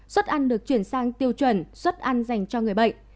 xuất ăn được chuyển sang tiêu chuẩn xuất ăn dành cho người bệnh